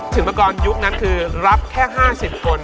สินประกอบยุคนั้นก็รับแค่๕๐คน